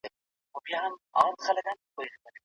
موږ له يو څخه تر سلو حساب کوو.